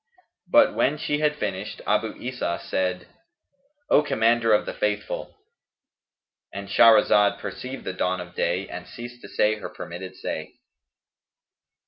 But when she had finished, Abu Isa said, "O Commander of the Faithful," —And Shahrazad perceived the dawn of day and ceased to say her permitted say.